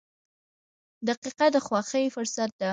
• دقیقه د خوښۍ فرصت ده.